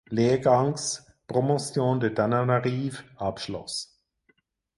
Lehrgangs "(promotion de Tananarive)" abschloss.